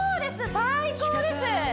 最高です！